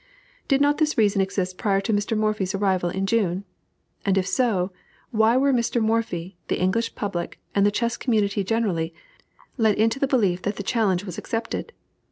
Did not this reason exist prior to Mr. Morphy's arrival in June? and if so, why were Mr. Morphy, the English public, and the chess community generally, led into the belief that the challenge was accepted?